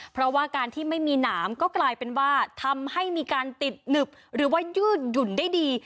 เพราะว่าการที่ไม่มีหนามก็กลายเป็นว่าทำให้มีการติดหนึบหรือว่ายืดหยุ่นได้ดี